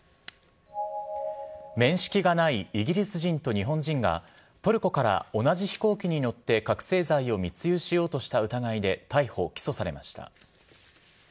面識がないイギリス人と日本人が、トルコから同じ飛行機に乗って覚醒剤を密輸しようとした疑いで逮捕・起訴されました。